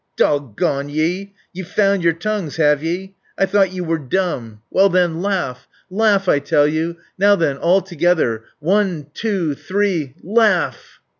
Dog gone ye! You've found your tongues have ye? I thought you were dumb. Well, then laugh! Laugh I tell you. Now then all together. One, two, three laugh!"